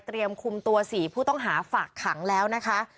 คุมตัว๔ผู้ต้องหาฝากขังแล้วนะคะ